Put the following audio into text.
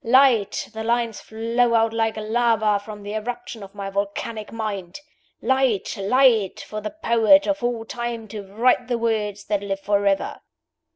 light! the lines flow out like lava from the eruption of my volcanic mind. Light! light! for the poet of all time to write the words that live forever!"